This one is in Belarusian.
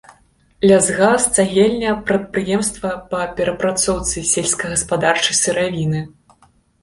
Лясгас, цагельня, прадпрыемствы па перапрацоўцы сельскагаспадарчай сыравіны.